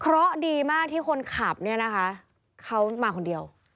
เพราะดีมากที่คนขับเนี่ยนะคะเขามาคนเดียว